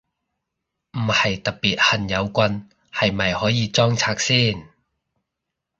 唔係特別恨有棍，係咪可以裝拆先？